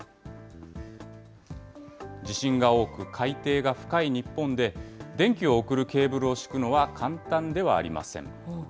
地震が多く海底が深い日本で、電気を送るケーブルを敷くのは簡単ではありません。